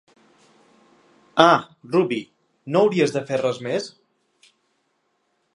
Ah, Ruby, no hauries de fer res més?